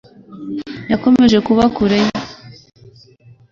Yakomeje kuba kure ye.